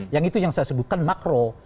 yang itu yang saya sebutkan makro